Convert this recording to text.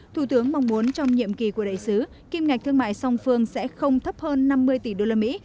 thủ tướng mong muốn trong nhiệm kỳ của đại sứ kim ngạch thương mại song phương sẽ không thấp hơn năm mươi tỷ usd